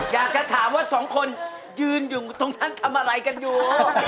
อยากจะถามว่าสองคนยืนอยู่ตรงนั้นทำอะไรกันอยู่